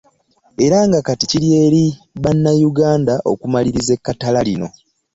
Era nga kati kiri eri Bannayuganda okumaliriza ekkatala lino.